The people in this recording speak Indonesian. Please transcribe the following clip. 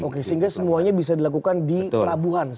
oke sehingga semuanya bisa dilakukan di pelabuhan